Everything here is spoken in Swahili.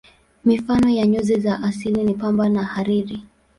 Mifano ya nyuzi za asili ni pamba na hariri.